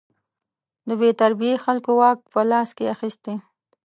د بې تربیې خلکو واک په لاس کې اخیستی.